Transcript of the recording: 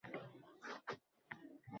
Shu turadigan kasalxonaday joyda edim